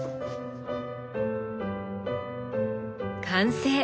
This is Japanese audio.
完成！